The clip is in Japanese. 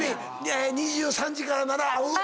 ２３時からなら会う。